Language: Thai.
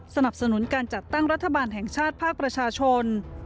สนับสนุนการจัดตั้งรัฐบาลแห่งชาติภาคประชาชน